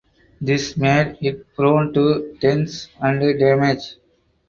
This made it prone to dents and damage.